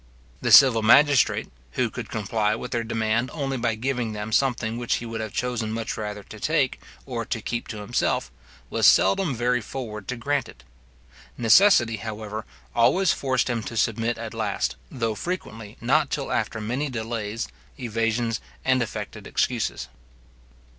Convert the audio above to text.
The civil magistrate, who could comply with their demand only by giving them something which he would have chosen much rather to take, or to keep to himself, was seldom very forward to grant it. Necessity, however, always forced him to submit at last, though frequently not till after many delays, evasions, and affected excuses.